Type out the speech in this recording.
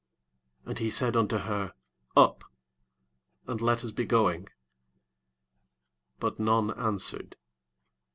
28 And he said unto her, Up, and let us be going. But none answered.